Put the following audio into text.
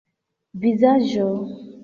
vizaĝo